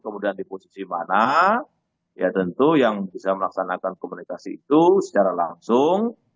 kemudian di posisi mana ya tentu yang bisa melaksanakan komunikasi itu secara langsung